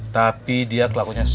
tapi dia kelakunya sok